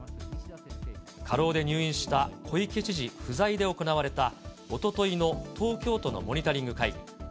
過労で入院した小池知事不在で行われた、おとといの東京都のモニタリング会議。